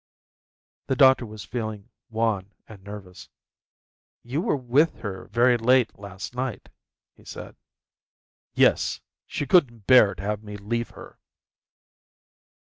The doctor was feeling wan and nervous. "You were with her very late last night," he said. "Yes, she couldn't bear to have me leave her."